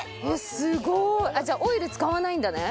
すごい！じゃあオイル使わないんだね。